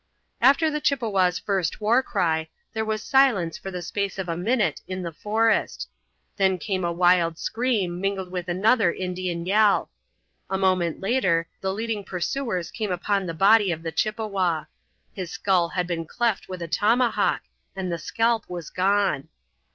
After the Chippewa's first war cry there was silence for the space of a minute in the forest. Then came a wild scream, mingled with another Indian yell; a moment later the leading pursuers came upon the body of the Chippewa. His skull had been cleft with a tomahawk and the scalp was gone.